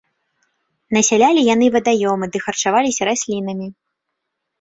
Насялялі яны вадаёмы ды харчаваліся раслінамі.